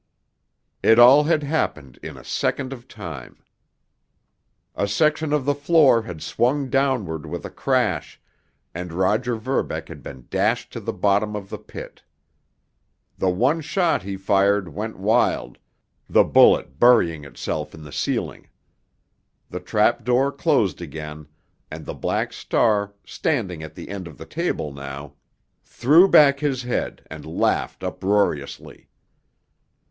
It all had happened in a second of time. A section of the floor had swung downward with a crash, and Roger Verbeck had been dashed to the bottom of the pit. The one shot he fired went wild, the bullet burying itself in the ceiling. The trapdoor closed again—and the Black Star, standing at the end of the table now, threw back his head and laughed uproariously.